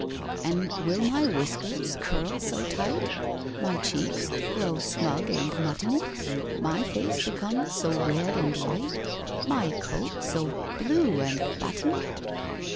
"And will my whiskers curl so tight? My cheeks grow smug and muttony? My face become so red and white? My coat so blue and buttony?